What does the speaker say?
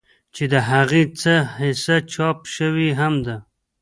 چې د هغې څۀ حصه چاپ شوې هم ده